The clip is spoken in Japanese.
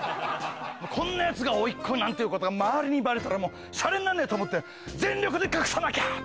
こんなヤツが甥っ子なんていうことが周りにバレたらシャレになんねえと思って全力で隠さなきゃ！